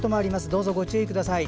どうぞご注意ください。